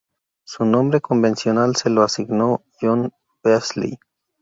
Su nombre convencional se lo asignó John Beazley.